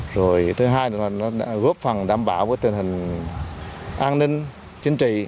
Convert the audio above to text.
rồi thứ hai là góp phần đảm bảo với tình hình an ninh chính trị